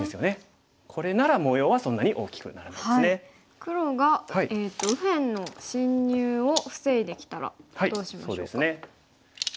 黒が右辺の侵入を防いできたらどうしましょうか？